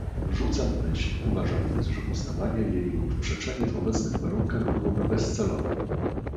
"Rzucam myśl, uważając, że uznawanie jej lub przeczenie w obecnych warunkach byłoby bezcelowe."